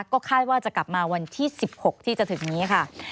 ก็คาดว่าจะกลับมาวันที่๑๖ที่จะถึงนี้ค่ะ